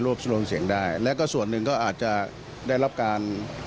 คือคือคือคือคือคือคือคือคือคือคือคือคือ